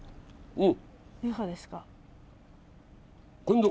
うん。